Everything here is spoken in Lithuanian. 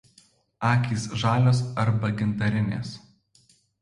Akys žalios arba gintarinės.